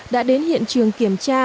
đã đến hiện trường kiểm tra